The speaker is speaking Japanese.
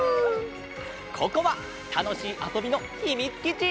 ここはたのしいあそびのひみつきち！